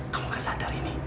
kamu kesadar ini